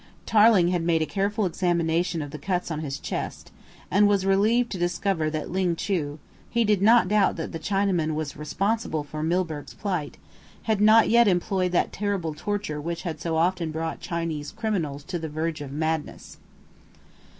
Tarling had made a careful examination of the cuts on his chest, and was relieved to discover that Ling Chu he did not doubt that the Chinaman was responsible for Milburgh's plight had not yet employed that terrible torture which had so often brought Chinese criminals to the verge of madness.